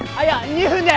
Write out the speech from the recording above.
２分で！